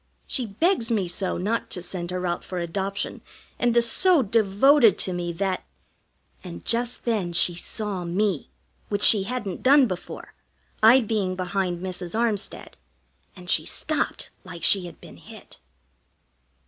She begs me so not to send her out for adoption, and is so devoted to me that " And just then she saw me, which she hadn't done before, I being behind Mrs. Armstead, and she stopped like she had been hit.